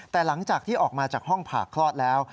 แต่หลังจากที่ออกมาจากห้องผ่าคลอดแล้ว